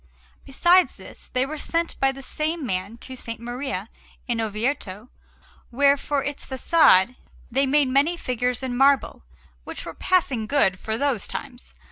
Besides this, they were sent by the same man to S. Maria in Orvieto, where, for its façade, they made many figures in marble which were passing good for those times.